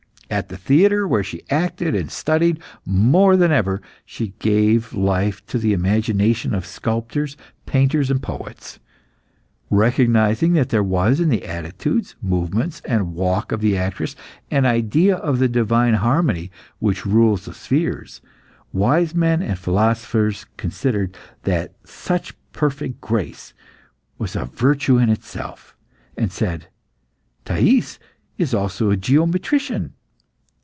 At the theatre, where she acted and studied more than ever, she gave life to the imagination of sculptors, painters, and poets. Recognising that there was in the attitudes, movements, and walk of the actress, an idea of the divine harmony which rules the spheres, wise men and philosophers considered that such perfect grace was a virtue in itself, and said, "Thais also is a geometrician!"